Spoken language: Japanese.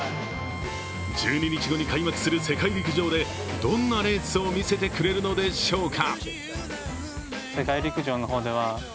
１２日後に開幕する世界陸上でどんなレースを見せてくれるのでしょうか。